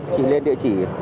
chỉ lên địa chỉ